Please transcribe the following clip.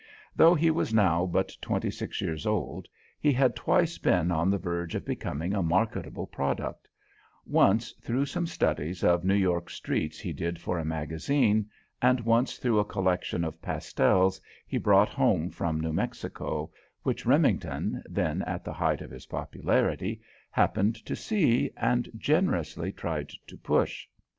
Though he was now but twenty six years old, he had twice been on the verge of becoming a marketable product; once through some studies of New York streets he did for a magazine, and once through a collection of pastels he brought home from New Mexico, which Remington, then at the height of his popularity, happened to see, and generously tried to push.